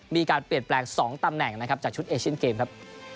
มีการเปลี่ยนแปลง๒ตำแหน่งนะครับจากชุดเอเชียนเกมครับ